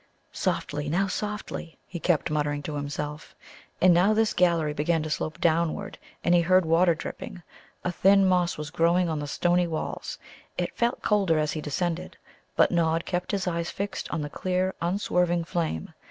"Softly, now softly," he kept muttering to himself. And now this gallery began to slope downward, and he heard water dripping. A thin moss was growing on the stony walls. It felt colder as he descended. But Nod kept his eyes fixed on the clear, unswerving flame.